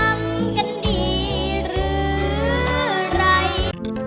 สำกัดทีรู้รัย